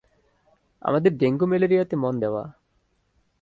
আমাদের ডেঙ্গু ম্যালেরিয়াতে মন দেয়া।